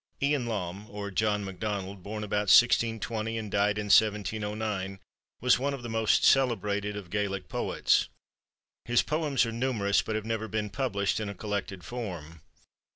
Iain Lorn, or John MacDonald, born about 1620 and died in 1709, was one of the most celebrated of Gaelic poets. His poems are numerous, but have never been pub lished in a collected form.